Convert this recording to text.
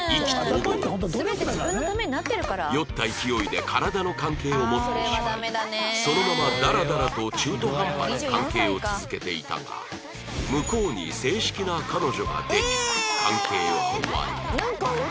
酔った勢いで体の関係を持ってしまいそのままダラダラと中途半端な関係を続けていたが向こうに正式な彼女ができ関係は終わる